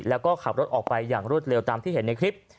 แล้วก็ขับรถออกไปอย่างรวดเร็วตามที่เห็นในคลิป